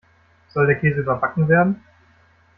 Soll der Käse überbacken werden?